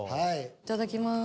いただきます。